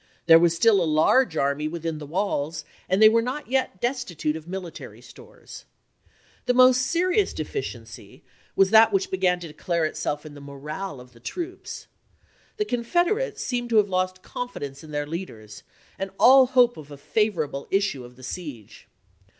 There was still a large army within the walls and they were not yet destitute of military stores. The most serious deficiency was that which be gan to declare itself in the morale of the troops. The Confederates seemed to have lost confidence in their leaders and all hope of a favorable issue of the siege.